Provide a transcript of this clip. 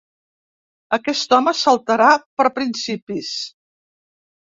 Aquest home saltarà per principis.